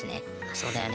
そうだよね